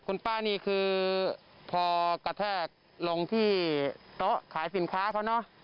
คุณป้านี่คือพอกระแทกลงที่โต๊ะขายสินค้าเขาเนอะ